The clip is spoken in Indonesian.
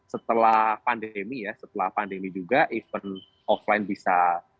setelah pandemi ya setelah pandemi juga event offline bisa